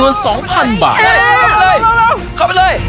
เข้าไปเลยเข้าไปเลย